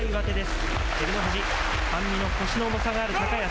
半身の腰の重さがある高安。